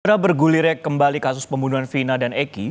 setelah bergulirnya kembali kasus pembunuhan vina dan eki